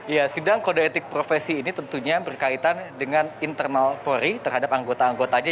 ya sidang kode etik profesi ini tentunya berkaitan dengan internal polri terhadap anggota anggotanya